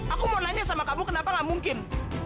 aku mau nanya sama kamu kenapa gak mungkin